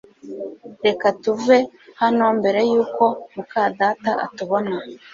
Reka tuve hano mbere yuko muka data atubona